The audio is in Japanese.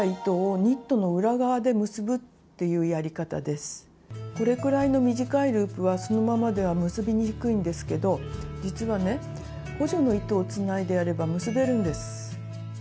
それはこれくらいの短いループはそのままでは結びにくいんですけど実はね補助の糸をつないでやれば結べるんです。